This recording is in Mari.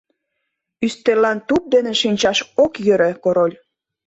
Ӱстеллан туп дене шинчаш ок йӧрӧ, Король.